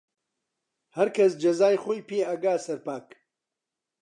هەرکەس جەزای خۆی پێ ئەگا سەرپاک